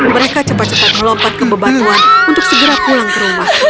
mereka cepat cepat melompat ke bebatuan untuk segera pulang ke rumah